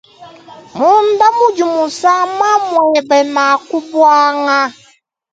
Munda mudi musama mueba naku buanga.